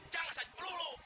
jangan sakit peluru